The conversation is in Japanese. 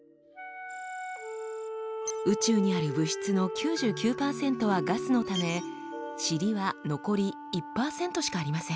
宇宙にある物質の９９％はガスのためチリは残り１％しかありません。